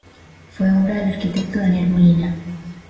Fue obra del arquitecto Daniel Molina.